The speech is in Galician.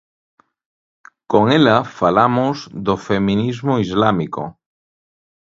Con ela falamos do Feminismo islámico.